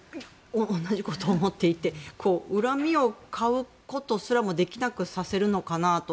同じことを思っていて恨みを買うことすらもできなくさせるのかなと。